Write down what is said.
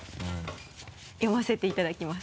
読ませていただきます。